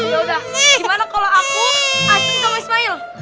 yaudah gimana kalau aku aci sama ismail